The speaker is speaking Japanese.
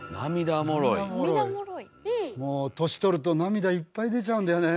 もう年取ると涙いっぱい出ちゃうんだよね。